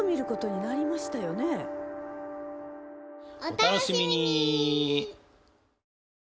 お楽しみに！